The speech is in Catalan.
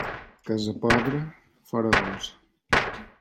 Casa pobra, fora gos.